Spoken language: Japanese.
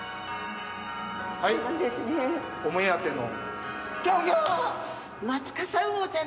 はいお目当ての。